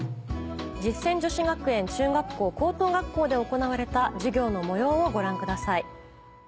実践女子学園中学校高等学校で行われた授業の模様をご覧ください。